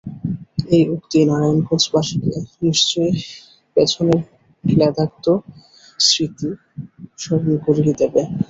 এই উক্তি নারায়ণগঞ্জবাসীকে নিশ্চয়ই পেছনের ক্লেদাক্ত স্মৃতি স্মরণ করিয়ে দেবে।